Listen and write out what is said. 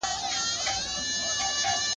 اساسي قانون د ټولو اتباعو حقونه خوندي کړي وو.